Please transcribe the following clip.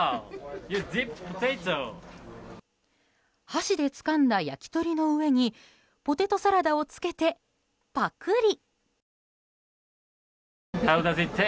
箸でつかんだ焼き鳥の上にポテトサラダをつけて、ぱくり。